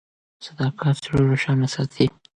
صداقت زړه روښانه ساتي.